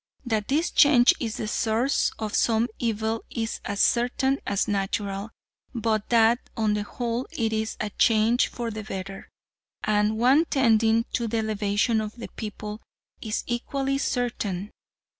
That this change is the source of some evil is as certain as natural, but that on the whole it is a change for the better, and one tending to the elevation of the people, is equally certain.